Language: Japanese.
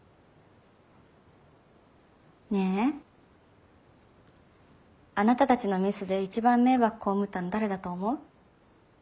ねえあなたたちのミスで一番迷惑被ったの誰だと思う？